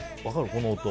この音。